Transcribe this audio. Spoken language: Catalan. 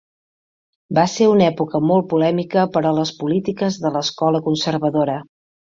Va ser una època molt polèmica per a les polítiques de l' escola conservadora.